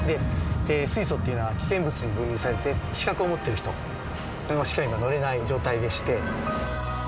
水素っていうのは危険物に分類されて資格を持っている人しか今乗れない状態でして。